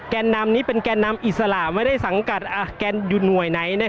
นำนี้เป็นแกนนำอิสระไม่ได้สังกัดแกนอยู่หน่วยไหน